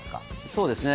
そうですね。